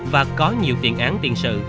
và có nhiều tiền án tiện sự